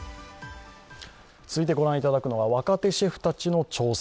続いて御覧いただくのは若手シェフたちの挑戦。